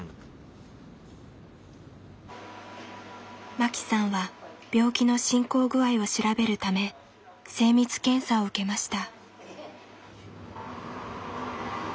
マキさんは病気の進行具合を調べるため精密検査を受けました。